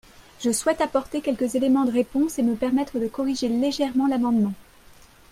Je souhaite apporter quelques éléments de réponse et me permettre de corriger légèrement l’amendement.